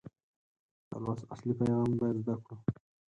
د لوست اصلي پیغام باید زده کړو.